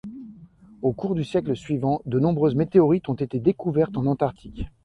Au cours du siècle suivant, de nombreuses météorites ont été découvertes en Antarctique.